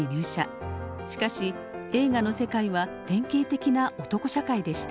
しかし映画の世界は典型的な男社会でした。